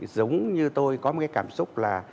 giống như tôi có một cái cảm xúc là